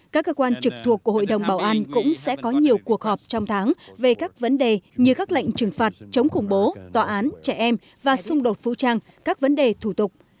các cơ quan trực thuộc của hội đồng bảo an cũng sẽ có nhiều cuộc họp trong tháng về các vấn đề như các lệnh trừng phạt chống khủng bố tòa án trẻ em và xung đột phũ trang các vấn đề thủ tục